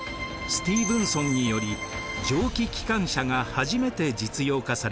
スティーヴンソンにより蒸気機関車が初めて実用化されました。